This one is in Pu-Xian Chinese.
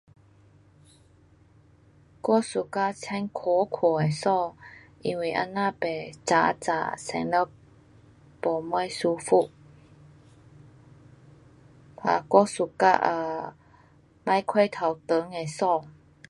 我 suka 穿阔阔的衣，因为这样不窄窄穿了没什么舒服。哒我 suka[um] 别过头长的衣。